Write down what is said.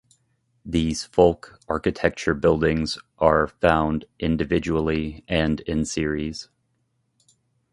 These folk architecture buildings are found individually and in series.